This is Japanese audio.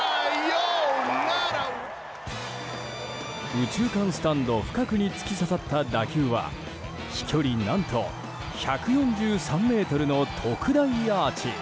右中間スタンド深くに突き刺さった打球は飛距離、何と１４３ｍの特大アーチ！